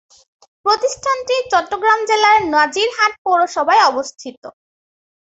প্রতিষ্ঠানটি চট্টগ্রাম জেলার নাজিরহাট পৌরসভায় অবস্থিত।